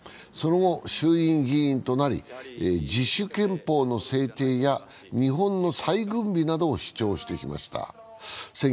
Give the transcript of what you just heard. その後、衆院議員となり、自主憲法の制定や、日本の再軍備などを主張してきました。